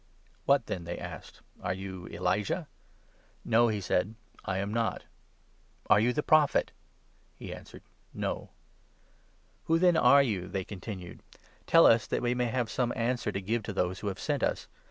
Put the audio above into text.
" What then ?" they asked. " Are you Elijah ?" 21 "No, "he said, " I am not." "Are you ' the Prophet '?" He answered " No." "Who then are you?" they continued ; "tell us, that we 22 may have some answer to give to those who have sent us.